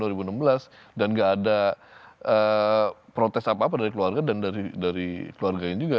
dan tidak ada protes apa apa dari keluarga dan dari keluarganya juga